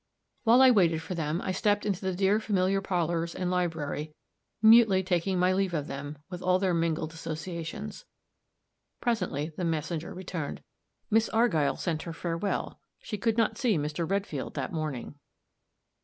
While I waited for them, I stepped into the dear familiar parlors and library, mutely taking my leave of them, with all their mingled associations. Presently the messenger returned: "Miss Argyll sent her farewell; she could not see Mr. Redfield that morning."